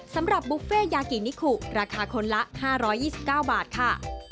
สำหรับบุฟเฟ่ยากินิคุราคาคนละ๕๒๙บาทค่ะ